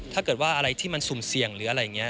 ถ้าเกิดว่าอะไรที่มันสุ่มเสี่ยงหรืออะไรอย่างนี้